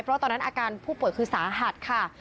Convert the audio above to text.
เพราะตอนนั้นอาการผู้ป่วยคือสาหัสค่ะ